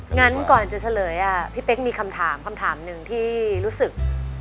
งั้นก่อนจะเฉลยพี่เป๊กมีคำถามคำถามหนึ่งที่รู้สึก